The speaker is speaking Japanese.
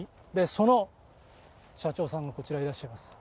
その社長さんがこちらにいらっしゃいます。